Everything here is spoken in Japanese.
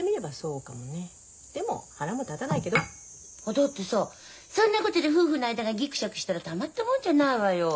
だってさそんなことで夫婦の間がギクシャクしたらたまったもんじゃないわよ。